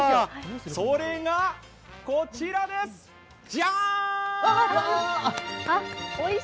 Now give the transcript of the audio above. それがこちらです、ジャーン。